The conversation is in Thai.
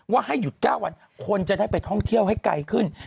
ให้หยุด๙วันคนจะได้ไปท่องเที่ยวให้ไกลขึ้น